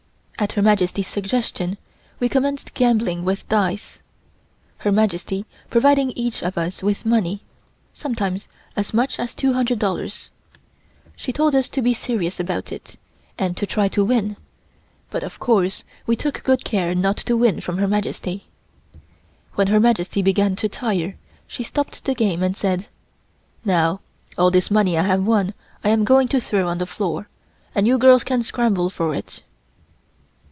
At Her Majesty's suggestion we commenced gambling with dice, Her Majesty providing each of us with money, sometimes as much as $200. She told us to be serious about it, and to try and win, but of course we took good care not to win from Her Majesty. When Her Majesty began to tire, she stopped the game and said: "Now, all this money I have won I am going to throw on the floor, and you girls can scramble for it."